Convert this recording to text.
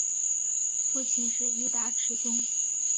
父亲是伊达持宗。